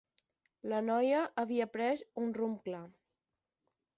La noia havia pres un rumb clar.